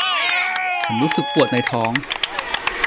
ฉันรู้สึกปวดในท้อง